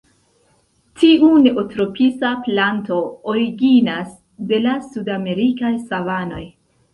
Tiu neotropisa planto originas de la sudamerikaj savanoj.